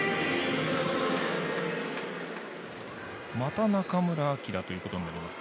また中村晃ということになります。